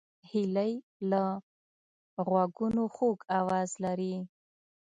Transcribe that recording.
هیلۍ له غوږونو خوږ آواز لري